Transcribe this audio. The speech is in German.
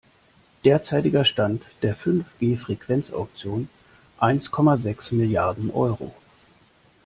Derzeitiger Stand der Fünf-G-Frequenzauktion: Eins Komma sechs Milliarden Euro.